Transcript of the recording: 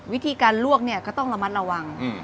วิธีการลวกเนี่ยก็ต้องระมัดระวัง